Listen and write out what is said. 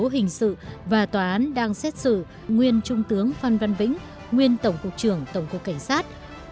hình sự và tòa án đang xét xử nguyên trung tướng phan văn vĩnh nguyên tổng cục trưởng tổng cục cảnh sát